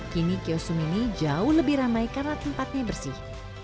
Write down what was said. kini kios sumini jauh lebih ramai karena tempatnya bersih